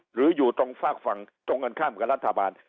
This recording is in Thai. อยู่ตรงฝากฝั่งตรงกันข้ามกับรัฐบาล